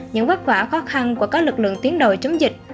những vất vả khó khăn của các lực lượng tiến đồi chống dịch